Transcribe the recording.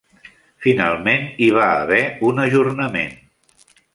Finalment hi va haver un ajornament.